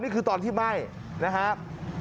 นี่คือตอนที่ไหม้นะครับ